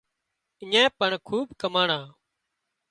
اڃين پڻ کوٻ ڪماڻا